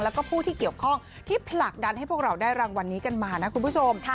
แล้วก็ผู้ที่เกี่ยวข้องที่ผลักดันให้พวกเราได้รางวัลนี้กันมานะคุณผู้ชม